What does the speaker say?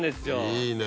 いいね。